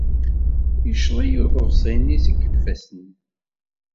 Yecceḍ-iyi uḍebsi-nni seg yifassen.